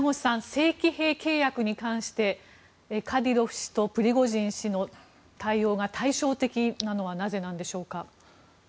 正規兵契約に関してカディロフ氏とプリゴジン氏の対応が対照的なのはなぜなのでしょうか。